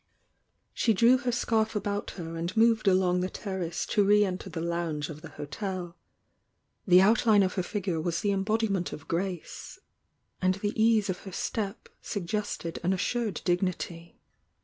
She drew her scarf about her and moved along the terrace to re enter the lounge of the hotel. The outline of her figure was the embodiment of grace, and the ease of her step suggested an assured die nity.